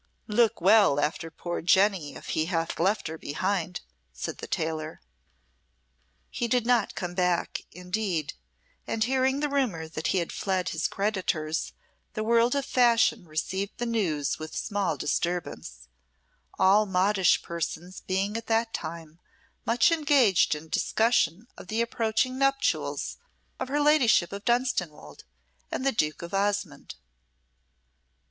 "Look well after poor Jenny if he hath left her behind," said the tailor. He did not come back, indeed; and hearing the rumour that he had fled his creditors, the world of fashion received the news with small disturbance, all modish persons being at that time much engaged in discussion of the approaching nuptials of her ladyship of Dunstanwolde and the Duke of Osmonde.